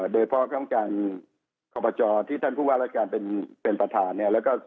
โดยเพราะทั้งการขอบประจอที่ท่านผู้ว่ารักษการเป็นประธาน